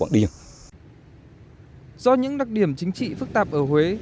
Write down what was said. do những đặc điểm chính trị phức tạp ở huế